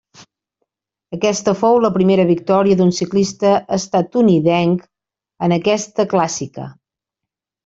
Aquesta fou la primera victòria d'un ciclista estatunidenc en aquesta clàssica.